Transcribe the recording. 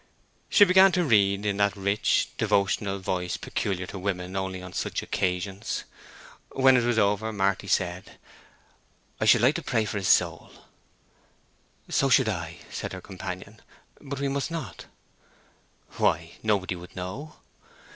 She began to read in that rich, devotional voice peculiar to women only on such occasions. When it was over, Marty said, "I should like to pray for his soul." "So should I," said her companion. "But we must not." "Why? Nobody would know."